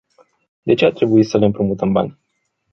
De ce a trebuit să le împrumutăm bani?